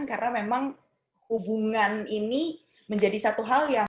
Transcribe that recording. karena memang hubungan ini menjadi satu hal yang ya